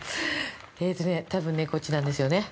えーとね、多分ねこっちなんですよね。